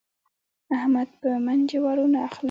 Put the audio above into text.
احمد په من جوارو نه اخلم.